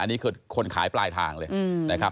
อันนี้คือคนขายปลายทางเลยนะครับ